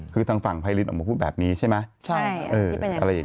คือทางฝั่งไพรินออกมาพูดแบบนี้ใช่ไหม